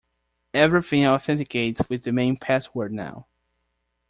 Everything authenticates with the main password now.